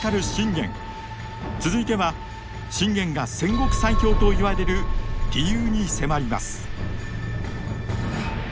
続いては信玄が戦国最強といわれる理由に迫ります。